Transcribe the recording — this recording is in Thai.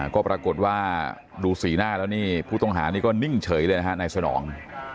ก็ปรากฏว่าดูสีหน้าแล้วนี่ผู้ต้องหานี่ก็นิ่งเฉยเลยนะฮะนายสนอง